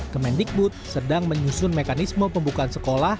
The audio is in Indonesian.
kemendikbud sedang menyusun mekanisme pembukaan sekolah